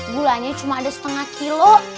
gulanya cuma ada setengah kilo